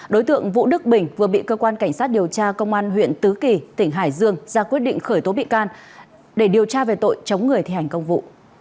đối tượng vũ đức bình vừa bị cơ quan cảnh sát điều tra công an huyện tứ kỳ tỉnh hải dương ra quyết định khởi tố bị can để điều tra về tội chống người thi hành công vụ